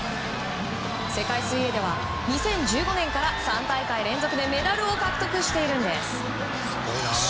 世界水泳では２０１５年から３大会連続でメダルを獲得しているんです。